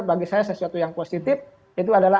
bagi saya sesuatu yang positif itu adalah